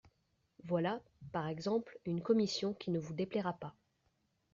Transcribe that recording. Voilà, par exemple, une commission qui ne vous déplaira pas.